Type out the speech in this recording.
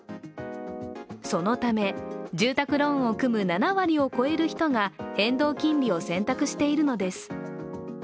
そのため、住宅ローンを組む７割超える人が変動金利を選択しているのです。